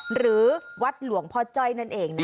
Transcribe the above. หรือวัดหลวงพ่อจ้อยนั่นเองนะ